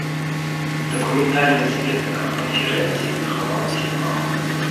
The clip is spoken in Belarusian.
Дакументальных звестак аб канферэнцыі захавалася мала.